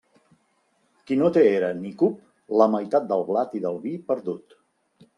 Qui no té era ni cup, la meitat del blat i del vi perdut.